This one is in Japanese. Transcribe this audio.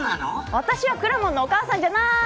私はくらもんのお母さんじゃない。